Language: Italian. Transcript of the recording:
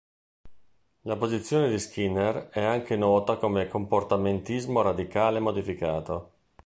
La posizione di Skinner è anche nota come "comportamentismo radicale modificato".